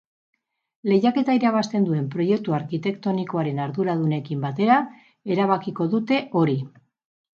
Lehiaketa irabazten duen proiektu arkitektonikoaren arduradunekin batera erabakiko dute hori.